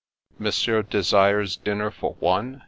" Monsieur desires dinner for one?